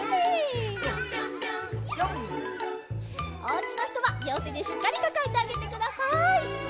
「ぴょんぴょんぴょん」おうちのひとはりょうてでしっかりかかえてあげてください。